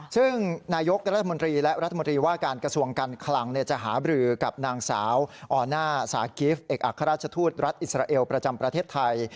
ซึ่งนายกรัฐมนตรีและรัฐมนตรีว่าการกระทรวงการคลังจะหาบรือกับนางสาวออน่าสากิฟต์เอกอัครราชทูตรัฐอิสราเอลประจำประเทศไทย